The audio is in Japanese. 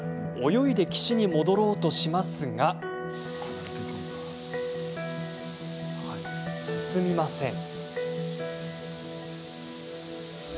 泳いで岸に戻ろうとしますが進みません。